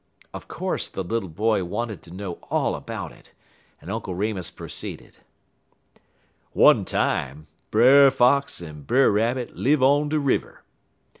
Of course the little boy wanted to know all about it, and Uncle Remus proceeded: "One time Brer Fox en Brer Rabbit live de on river.